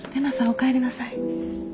おかえりなさい。